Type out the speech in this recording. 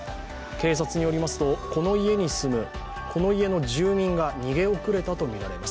警察によりますとこの家の住人が逃げ遅れたとみられます。